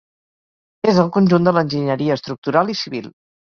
És el conjunt de l'enginyeria estructural i civil.